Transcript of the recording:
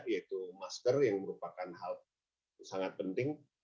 yaitu masker yang merupakan hal sangat penting